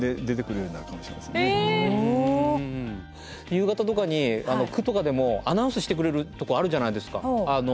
夕方とかに区とかでもアナウンスしてくれるとこあるじゃないですか。